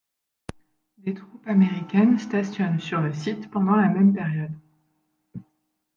Des troupes américaines stationnent sur le site pendant la même période.